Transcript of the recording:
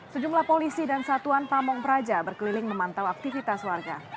sejumlah polisi dan satuan pamong praja berkeliling memantau aktivitas warga